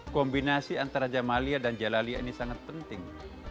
kombinasi antara jamaliah dan jalaliah ini sangat penting